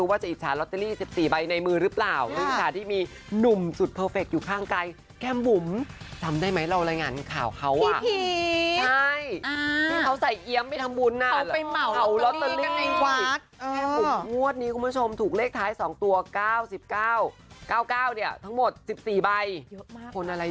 คนอะไรดวงดีขนาดนั้นน่ะนี่ยังนับไม่หมดนะ